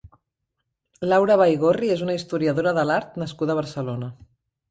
Laura Baigorri és una historiadora de l'art nascuda a Barcelona.